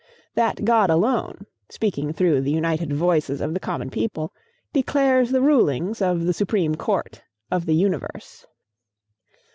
that God alone, speaking through the united voices of the common people, declares the rulings of the Supreme Court of the Universe.